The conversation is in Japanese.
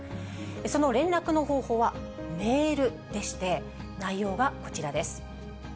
その連絡の方法はメールでして、内容はこちらです。